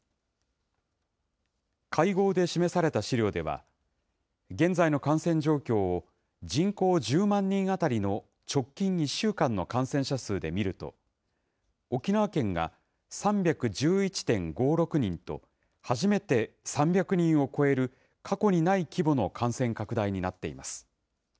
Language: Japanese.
会合で示された資料では、現在の感染状況を、人口１０万人当たりの直近１週間の感染者数で見ると、沖縄県が３１１．５６人と、初めて３００人を超える過去にない規模の感染拡大になっています。